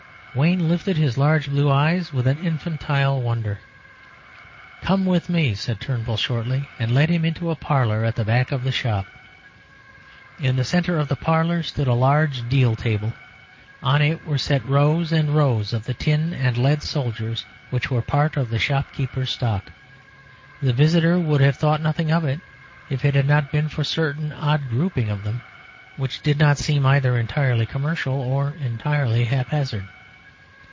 Wayne lifted his large blue eyes with an infantile wonder. "Come with me," said Turnbull, shortly, and led him into a parlour at the back of the shop. In the centre of the parlour stood a large deal table. On it were set rows and rows of the tin and lead soldiers which were part of the shopkeeper's stock. The visitor would have thought nothing of it if it had not been for a certain odd grouping of them, which did not seem either entirely commercial or entirely haphazard.